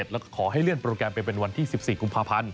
แล้วก็ขอให้เลื่อนโปรแกรมไปเป็นวันที่๑๔กุมภาพันธ์